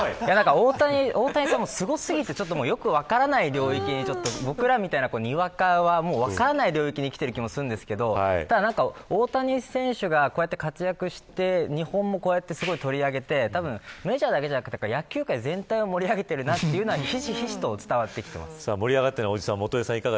大谷さん、すごすぎてよく分からない領域に僕らみたいな、にわかはもう分からない領域に来ている気がするんですけど大谷選手が活躍して日本も取り上げてメジャーだけじゃなくて野球界全体を盛り上げているなというのはひしひしと伝わってきます。